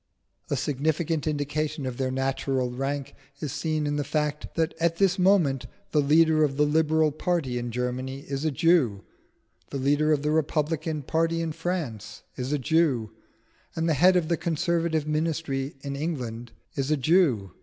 A significant indication of their natural rank is seen in the fact that at this moment, the leader of the Liberal party in Germany is a Jew, the leader of the Republican party in France is a Jew, and the head of the Conservative ministry in England is a Jew.